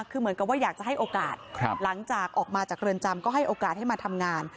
คือเหมือนกับว่าอยากจะให้โอกาสหลังจากออกมาจากเรือนจำก็ให้โอกาสให้มาทำงาน